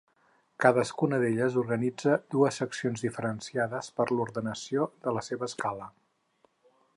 Cadascuna d'elles organitza dues seccions diferenciades per a l'ordenació de la seva escala.